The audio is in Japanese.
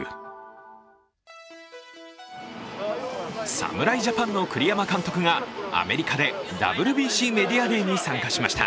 侍ジャパンの栗山監督がアメリカでＷＢＣメディアデーに参加しました。